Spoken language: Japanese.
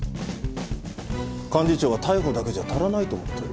幹事長は逮捕だけじゃ足らないと思ってる。